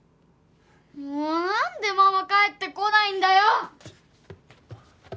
もうなんでママ帰ってこないんだよ！